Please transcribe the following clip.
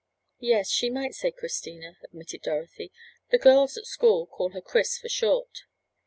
"Yes, she might say Christina," admitted Dorothy. "The girls at school called her 'Chris' for short."